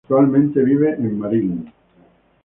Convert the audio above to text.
Actualmente vive en Marín.